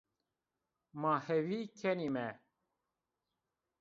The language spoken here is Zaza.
Ma hêvî kenîme